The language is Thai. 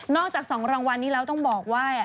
อกจาก๒รางวัลนี้แล้วต้องบอกว่า